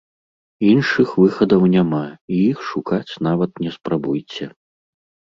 Іншых выхадаў няма, і іх шукаць нават не спрабуйце.